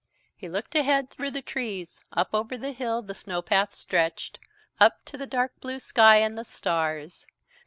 He looked ahead through the trees Up over the hill the snow path stretched up to the dark blue sky and the stars.